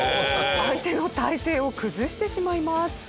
相手の体勢を崩してしまいます。